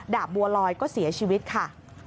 บัวลอยก็เสียชีวิตค่ะ